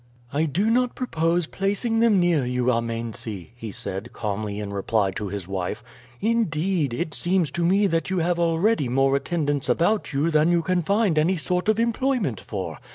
"I do not propose placing them near you, Amense," he said calmly in reply to his wife. "Indeed, it seems to me that you have already more attendants about you than you can find any sort of employment for.